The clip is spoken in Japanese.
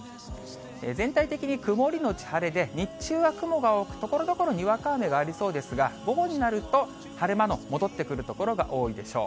全体的に曇り後晴れで、日中は雲が多く、ところどころ、にわか雨がありそうですが、午後になると、晴れ間の戻ってくる所が多いでしょう。